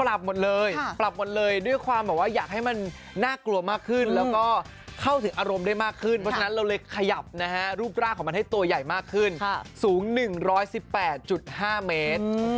ปรับหมดเลยปรับหมดเลยด้วยความแบบว่าอยากให้มันน่ากลัวมากขึ้นแล้วก็เข้าถึงอารมณ์ได้มากขึ้นเพราะฉะนั้นเราเลยขยับนะฮะรูปร่างของมันให้ตัวใหญ่มากขึ้นสูง๑๑๘๕เมตร